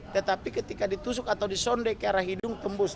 tetapi ketika ditusuk atau disondek ke arah hidung tembus